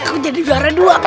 aku jadi juara dua